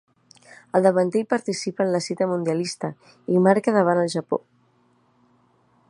El davanter hi participa en la cita mundialista, i marca davant el Japó.